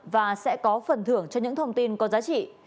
và sẽ có phần thưởng cho những thông tin có giá trị